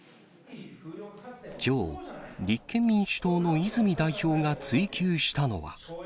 きょう、立憲民主党の泉代表が追及したのは。